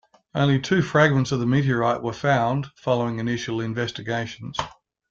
Only two fragments of the meteorite were found following initial investigations.